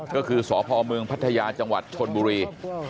ก็คือสพเมืองพัทยาจังหวัดชนบุรี